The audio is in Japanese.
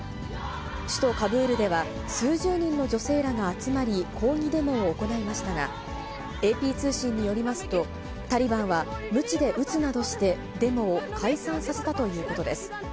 首都カブールでは、数十人の女性らが集まり抗議デモを行いましたが、ＡＰ通信によりますと、タリバンはむちで打つなどして、デモを解散させたということです。